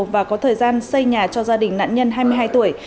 và có thời gian xây nhà cho gia đình nạn nhân hai mươi hai tuổi